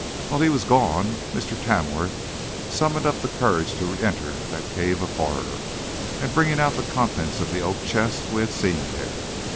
While he was gone, Mr. Tamworth summoned up courage to re enter that cave of horror, and bring out the contents of the oak chest we had seen there.